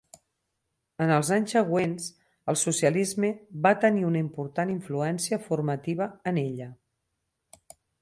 En els anys següents el socialisme va tenir una important influència formativa en ella.